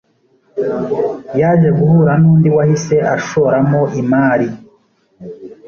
yaje guhura nnundi wahise ashoramo imari.